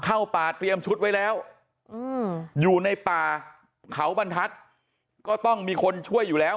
เข้าป่าเตรียมชุดไว้แล้วอยู่ในป่าเขาบรรทัศน์ก็ต้องมีคนช่วยอยู่แล้ว